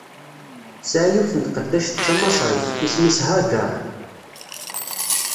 Tesɛa yiwet n tqeddact d tamaṣrit, isem-is Hagaṛ.